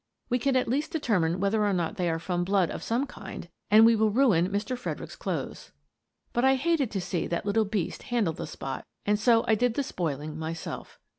We can at least determine whether or not they are from blood of some kind — and we will ruin Mr. Fredericks's clothes." But I hated to see that little beast handle the spot, and so I did the spoiling myself.